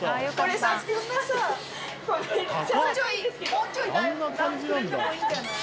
もうちょい段くれてもいいんじゃない。